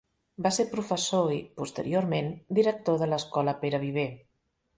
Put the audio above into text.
Va ser professor i, posteriorment, director de l'escola Pere Viver.